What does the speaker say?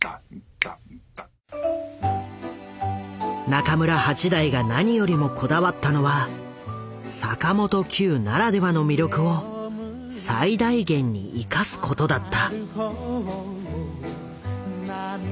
中村八大が何よりもこだわったのは坂本九ならではの魅力を最大限に生かすことだった。